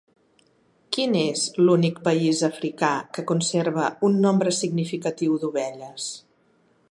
Quin és l'únic país africà que conserva un nombre significatiu d'ovelles?